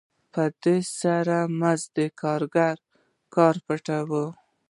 په دې سره مزد د کارګر کار پټوي